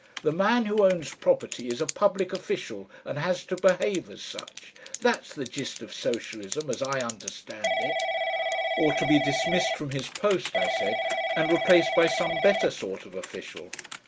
The man who owns property is a public official and has to behave as such. That's the gist of socialism as I understand it." "Or be dismissed from his post," I said, "and replaced by some better sort of official.